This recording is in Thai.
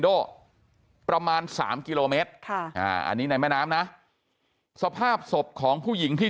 โด่ประมาณ๓กิโลเมตรอันนี้ในแม่น้ำนะสภาพศพของผู้หญิงที่